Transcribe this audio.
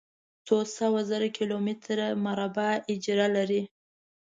څو سوه زره کلومتره مربع اېجره لري.